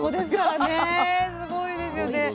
すごいですよね。